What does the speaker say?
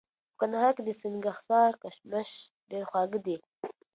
په کندهار کي د سنګحصار کشمش ډېر خواږه دي